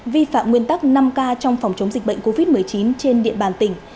vi phạm nguyên tắc năm k trong phòng chống dịch bệnh covid một mươi chín trên địa bàn tỉnh